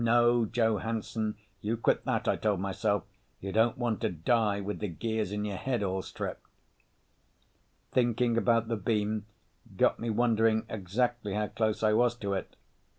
No, Joe Hansen, you quit that, I told myself, you don't want to die with the gears in your head all stripped.) Thinking about the beam got me wondering exactly how close I was to it.